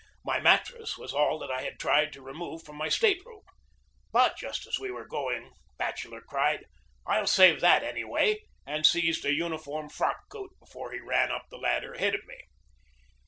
My mattress was all that I had tried to re move from my state room. But just as we were go ing Batcheller cried: "I'll save that, anyway!" and seized a uniform frock coat before he ran up the ladder ahead of me.